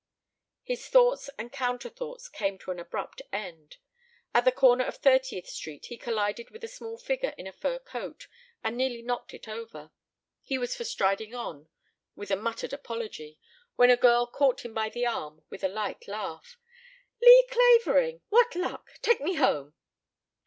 His thoughts and counter thoughts came to an abrupt end. At the corner of Thirtieth Street he collided with a small figure in a fur coat and nearly knocked it over. He was for striding on with a muttered apology, when the girl caught him by the arm with a light laugh. "Lee Clavering! What luck! Take me home."